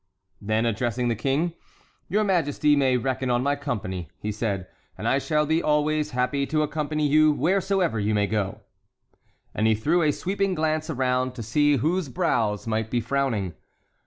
Then addressing the King: "Your Majesty may reckon on my company," he said; "and I shall be always happy to accompany you wheresoever you may go." And he threw a sweeping glance around, to see whose brows might be frowning.